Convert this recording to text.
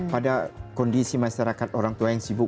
pada kondisi masyarakat orang tua yang sibuk